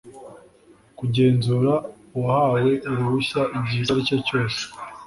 kugenzura uwahawe uruhushya igihe icyo ari cyose